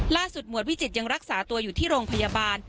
หมวดวิจิตยังรักษาตัวอยู่ที่โรงพยาบาล